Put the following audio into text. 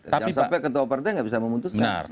jangan sampai ketua partai nggak bisa memutuskan